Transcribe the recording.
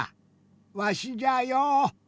わしじゃよ。